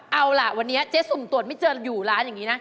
เอาล่ะวันนี้เจ๊สุ่มตรวจไม่เจออยู่ร้านอย่างนี้นะ